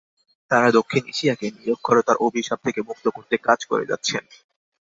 তাঁরা দক্ষিণ এশিয়াকে নিরক্ষরতার অভিশাপ থেকে মুক্ত করতে কাজ করে যাচ্ছেন।